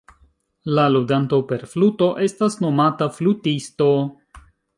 La ludanto per fluto estas nomata flutisto.